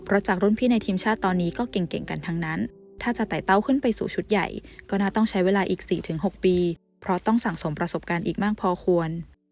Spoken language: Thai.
เพราะจากรุ่นพี่ในทีมชาติตอนนี้ก็เก่งกันทั้งนั้นถ้าจะไต่เต้าขึ้นไปสู่ชุดใหญ่ก็น่าต้องใช้เวลาอีก๔๖ปีเพราะต้องสั่งสมประสบการณ์อีกมากพอควร